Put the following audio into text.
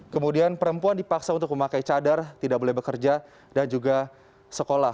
kemudian perempuan dipaksa untuk memakai cadar tidak boleh bekerja dan juga sekolah